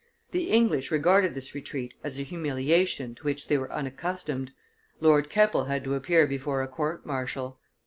The English regarded this retreat as a humiliation to which they were unaccustomed Lord Keppel had to appear before a court martial.